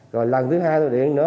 rồi lần thứ hai tôi điện nữa